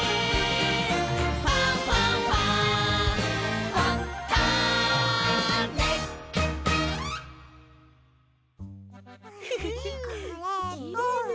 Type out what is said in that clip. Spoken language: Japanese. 「ファンファンファン」んこれと。